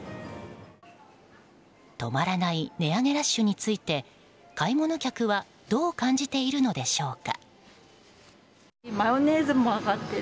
止まらない値上げラッシュについて買い物客はどう感じているのでしょうか。